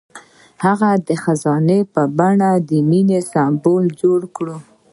هغه د خزان په بڼه د مینې سمبول جوړ کړ.